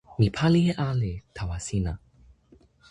mi pali e ale tawa sina.